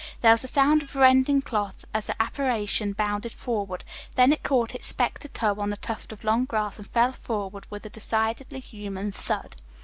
There was a sound of rending cloth as the apparition bounded forward, then it caught its spectre toe on a tuft of long grass and fell forward with a decidedly human thud.